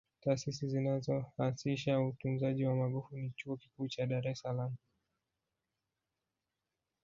taasisi zinazohasisha utunzaji wa magofu ni chuo Kikuu cha dar es salaam